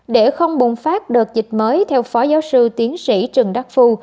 để không bùng phát đợt dịch mới theo phó giáo sư tiến sĩ trần đắc phu